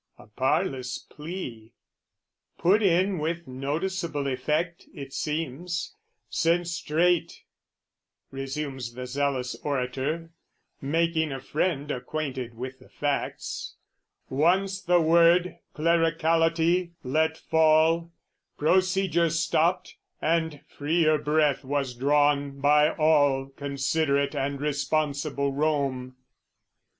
A parlous plea, Put in with noticeable effect, it seems; "Since straight," resumes the zealous orator, Making a friend acquainted with the facts, "Once the word 'clericality' let fall, "Procedure stopped and freer breath was drawn "By all considerate and responsible Rome."